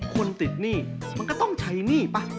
คนติดหนี้มันก็ต้องใช้หนี้ป่ะ